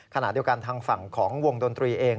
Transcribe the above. ขณะเดียวกันทางฝั่งของวงดนตรีเอง